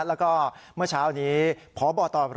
แล้วก็เมื่อเช้านี้พบตร